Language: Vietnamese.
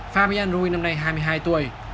fabian rui năm nay hai mươi hai tuổi